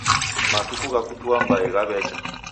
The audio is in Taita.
Matuku gha kutua mbai ghaw'echa